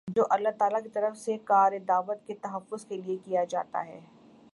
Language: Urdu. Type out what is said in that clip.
جو اللہ تعالیٰ کی طرف سے کارِ دعوت کے تحفظ کے لیے کیا جاتا ہے